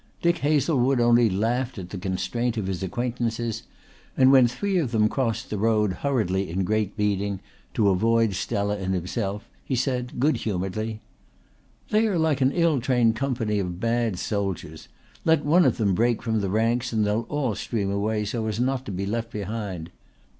Dick Hazlewood only laughed at the constraint of his acquaintances, and when three of them crossed the road hurriedly in Great Beeding to avoid Stella and himself he said good humouredly: "They are like an ill trained company of bad soldiers. Let one of them break from the ranks and they'll all stream away so as not to be left behind.